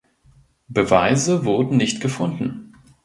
Beweise wurden nicht gefunden.